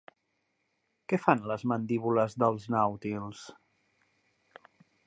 Què fan les mandíbules dels nàutils?